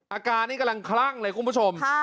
อาการนี้กำลังคลั่งเลยคุณผู้ชม